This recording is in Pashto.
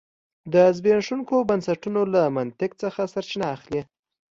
د زبېښونکو بنسټونو له منطق څخه سرچینه اخلي.